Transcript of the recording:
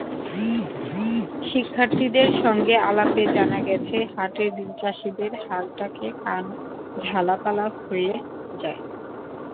শিক্ষার্থীদের সঙ্গে আলাপে জানা গেছে, হাটের দিন চাষিদের হাঁকডাকে কান ঝালপালা হয়ে যায়।